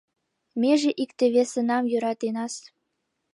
— Меже икте-весынам йӧратенас.